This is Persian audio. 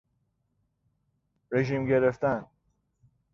رژیم گرفتن